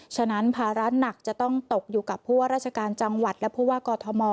ฉะนั้นภาระหนักจะต้องตกอยู่กับผู้ว่าราชการจังหวัดและผู้ว่ากอทม